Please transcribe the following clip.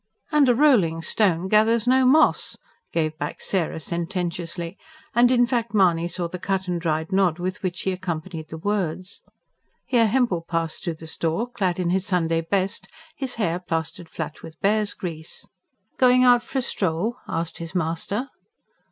"And a rolling stone gathers no moss!" gave back Sarah sententiously and in fancy Mahony saw the cut and dried nod with which she accompanied the words. Here Hempel passed through the store, clad in his Sunday best, his hair plastered flat with bear's grease. "Going out for a stroll?" asked his master.